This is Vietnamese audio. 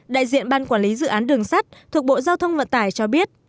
đại diện ban quản lý dự án đường sắt thuộc bộ giao thông vận tải cho biết